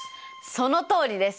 そのとおりです！